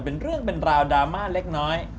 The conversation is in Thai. เป็นเรื่องเป็นราวดราม่าเล็กน้อย